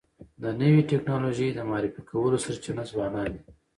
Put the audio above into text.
د نوي ټکنالوژۍ د معرفي کولو سرچینه ځوانان دي.